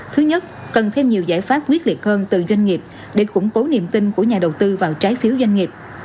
thứ nhất cần thêm nhiều giải pháp quyết liệt hơn từ doanh nghiệp để củng cố niềm tin của nhà đầu tư vào trái phiếu doanh nghiệp